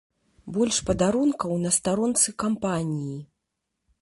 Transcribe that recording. Больш падарункаў на старонцы кампаніі.